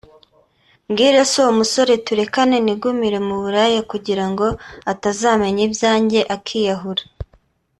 Mbwire se uwo musore turekane nigumire mu buraya kugirango atazamenya ibyanjye akiyahura